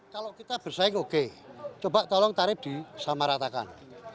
kalau kita bersaing oke coba tolong tarif disamaratakan